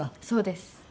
そうです。